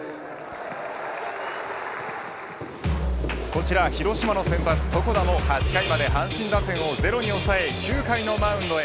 こちら広島の先発床田の８回まで阪神打線をゼロに抑え９回のマウンドへ。